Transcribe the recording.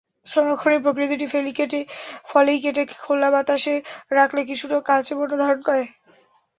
সংরক্ষণের প্রক্রিয়াদুটি ফলই কেটে খোলা বাতাসে রাখলে কিছুটা কালচে বর্ণ ধারণ করে।